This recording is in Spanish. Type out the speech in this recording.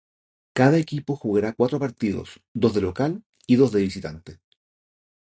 Cada equipo jugará cuatro partidos, dos de local y dos de visitante.